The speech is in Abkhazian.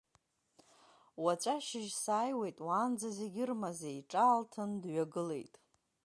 Уаҵәы ашьыжь сааиуеит, уаанӡа зегьы ырмазеи, ҿаалҭын, дҩагылеит.